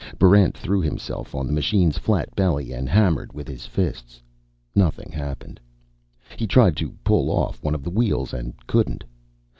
Barrent threw himself on the machine's flat belly and hammered with his fists. Nothing happened. He tried to pull off one of the wheels, and couldn't.